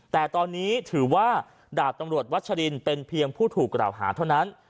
แต่ตอนนี้ถือว่าดาบตำรวจวัชรินเป็นเพียงผู้ถูกกล่าวหาเท่านั้น